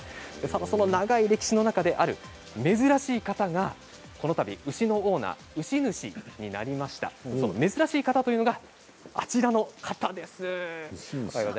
その長い歴史の中である珍しい方が牛のオーナー、牛主になりました珍しい方というのがあちらの方です。